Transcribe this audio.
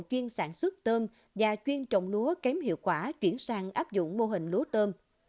chuyên sản xuất tôm và chuyên trồng lúa kém hiệu quả chuyển sang áp dụng mô hình lúa tôm